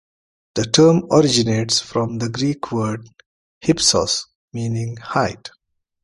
The term originates from the Greek word "hypsos" meaning height.